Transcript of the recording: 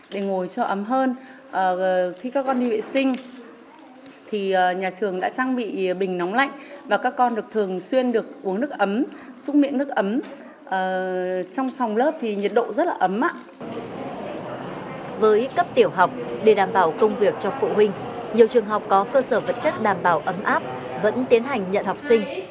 với cấp tiểu học để đảm bảo công việc cho phụ huynh nhiều trường học có cơ sở vật chất đảm bảo ấm áp vẫn tiến hành nhận học sinh